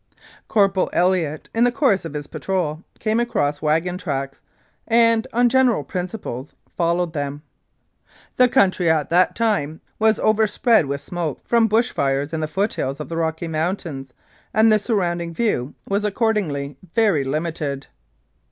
Corporal Elliott, in the course of his patrol, came across wagon tracks and, on general principles, fol lowed them. The country at that time was overspread with smoke from bush fires in the foothills of the Rocky Mountains, and the surrounding view was accordingly very limited.